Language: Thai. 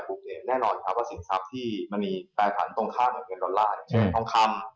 ก็แน่นอนว่าสินทรัพย์ที่มีแปรผันตรงข้างเงินดอลลาร์ต้องคล่ำ